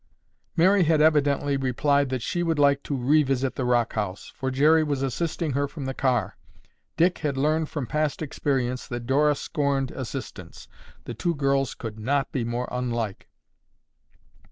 Mary had evidently replied that she would like to revisit the rock house, for Jerry was assisting her from the car. Dick had learned from past experience that Dora scorned assistance. Two girls could not be more unlike.